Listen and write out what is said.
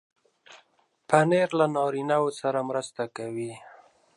پنېر له نارینو سره مرسته کوي.